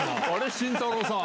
慎太郎さん。